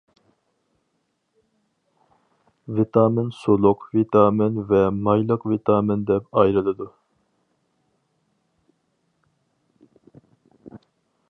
ۋىتامىن سۇلۇق ۋىتامىن ۋە مايلىق ۋىتامىن دەپ ئايرىلىدۇ.